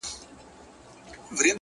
• شمع به واخلي فاتحه د جهاني د نظم,